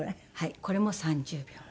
これも３０秒。